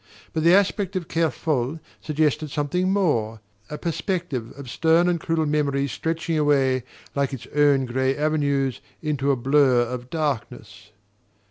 But the aspect of Kerfol suggested something more a perspective of stern and cruel memories stretching away, like its own grey avenues, into a blur of darkness.